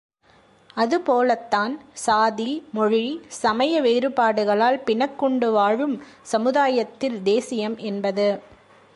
அதுபோலத்தான் சாதி, மொழி, சமய வேறுபாடுகளால் பிணக்குண்டு வாழும் சமுதாயத்தில் தேசியம் என்பது.